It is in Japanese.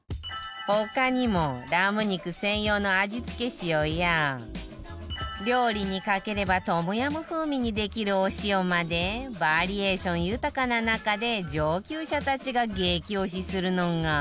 他にもラム肉専用の味付け塩や料理にかければトムヤム風味にできるお塩までバリエーション豊かな中で上級者たちが激推しするのが